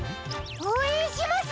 おうえんします！